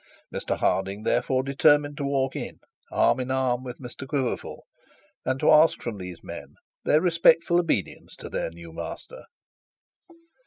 Mr Harding therefore determined to walk in, arm in arm, with Mr Quiverful, and to ask from these men their respectful obedience to their new master.